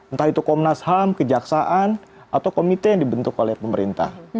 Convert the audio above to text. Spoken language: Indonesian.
entah itu komnas ham kejaksaan atau komite yang dibentuk oleh pemerintah